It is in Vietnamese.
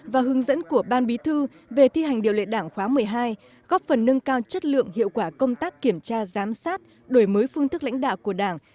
và hướng dẫn của ban bí thư về thi hành điều lệ đảng khóa một mươi hai góp phần nâng cao chất lượng hiệu quả công tác kiểm tra giám sát đổi mới phương thức lãnh đạo của đảng